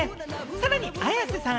さらに綾瀬さん